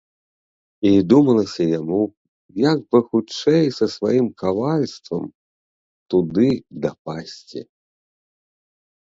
І думалася яму, як бы хутчэй са сваім кавальствам туды дапасці.